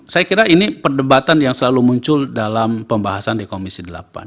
saya kira ini perdebatan yang selalu muncul dalam pembahasan di komisi delapan